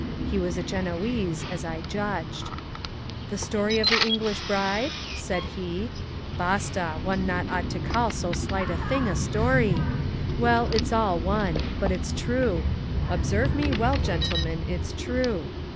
He was a Genoese, as I judged. 'The story of the English bride?' said he. 'Basta! one ought not to call so slight a thing a story. Well, it's all one. But it's true. Observe me well, gentlemen, it's true.